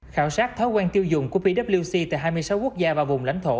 khảo sát thói quen tiêu dùng của pwc tại hai mươi sáu quốc gia và vùng lãnh thổ